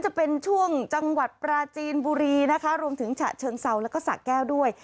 จะเป็นช่วงจังหวัดปราจีนบุรีนะคะรวมถึงฉะเชิงเซาแล้วก็สะแก้วด้วย